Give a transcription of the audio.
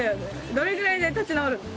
どれぐらいで立ち直るの？